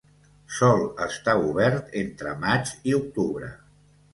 Sol estar obert entre maig i octubre.